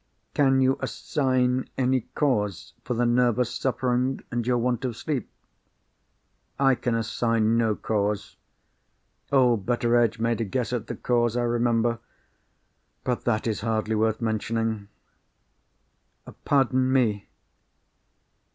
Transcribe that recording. "Can you assign any cause for the nervous suffering, and your want of sleep?" "I can assign no cause. Old Betteredge made a guess at the cause, I remember. But that is hardly worth mentioning." "Pardon me.